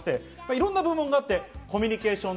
いろんな部門があってコミュニケーション